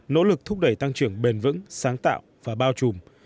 nỗ lực thúc đẩy tăng trưởng bền vững sáng tạo và bao trùm